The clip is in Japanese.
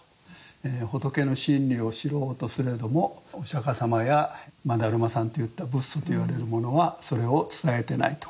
「仏の真理を知ろうとすれどもお釈様や達磨さんといった仏祖といわれるものはそれを伝えてない」と。